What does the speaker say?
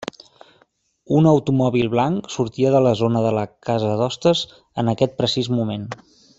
Un automòbil blanc sortia de la zona de la casa d'hostes en aquest precís moment.